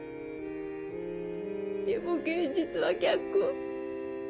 でも現実は逆。